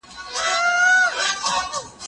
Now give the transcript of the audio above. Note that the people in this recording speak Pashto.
زه له سهاره مينه څرګندوم،